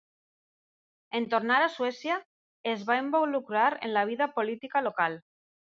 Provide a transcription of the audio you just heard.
En tornar a Suècia es va involucrar en la vida política local.